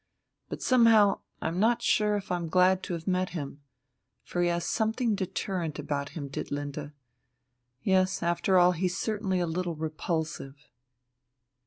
But somehow, I'm not sure if I'm glad to have met him, for he has something deterrent about him, Ditlinde yes, after all, he's certainly a little repulsive."